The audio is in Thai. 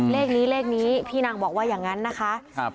เลขนี้เลขนี้พี่นางบอกว่าอย่างนั้นนะคะ